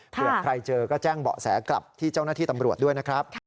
เผื่อใครเจอก็แจ้งเบาะแสกลับที่เจ้าหน้าที่ตำรวจด้วยนะครับ